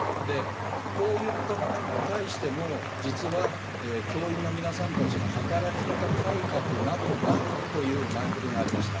こういったものに対しても、実は教員の皆さんたちの働き方改革などがという前振りがありました。